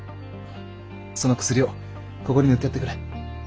その薬をここに塗ってやってくれ。